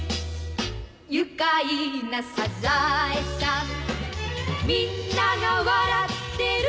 「愉快なサザエさん」「みんなが笑ってる」